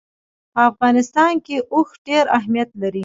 په افغانستان کې اوښ ډېر اهمیت لري.